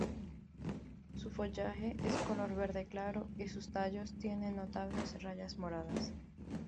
Su follaje es de color verde claro, y sus tallos tienen notables rayas moradas.